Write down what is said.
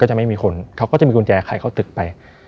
จะไม่มีคนเขาก็จะมีกุญแจใครเข้าตึกไป